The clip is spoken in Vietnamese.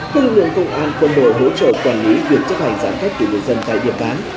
các lực lượng công an công bộ hỗ trợ quản lý việc chấp hành giãn cách của người dân tại điểm bán